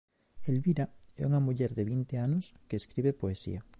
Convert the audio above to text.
Elvira é unha muller de vinte anos que escribe poesía.